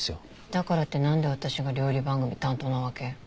だからって何で私が料理番組担当なわけ？